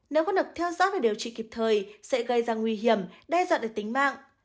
nếu có được theo dõi và điều trị kịp thời sẽ gây ra nguy hiểm đe dọa được tính mạng